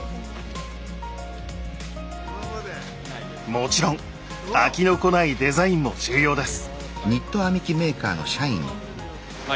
もちろん飽きのこないデザインも重要です。